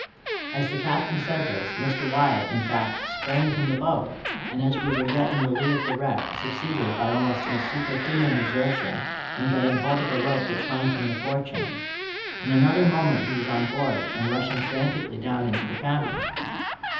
As the Captain said this, Mr. Wyatt, in fact, sprang from the boat, and, as we were yet in the lee of the wreck, succeeded, by almost superhuman exertion, in getting hold of a rope which hung from the forechains. In another moment he was on board, and rushing frantically down into the cabin.